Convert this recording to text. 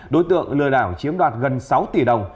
đối tượng lừa đảo chiếm đoạt gần sáu tỷ đồng